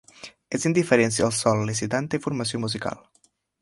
És indiferent si el sol·licitant té formació musical.